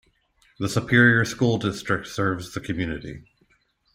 The Superior School District serves the community.